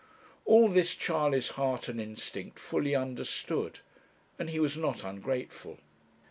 All this Charley's heart and instinct fully understood, and he was not ungrateful.